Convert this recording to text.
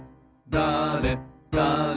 だれだれ